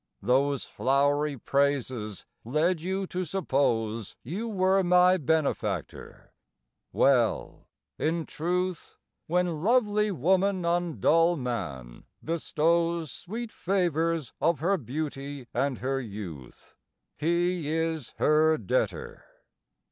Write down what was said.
Those flowery praises led you to suppose You were my benefactor. Well, in truth, When lovely woman on dull man bestows Sweet favours of her beauty and her youth, He is her debtor.